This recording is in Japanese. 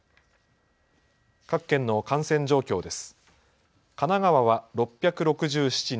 各県の感染状況です。